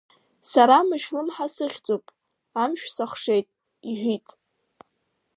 Сара Мышәлымҳа сыхьӡуп, амшә сахшет, иҳәит.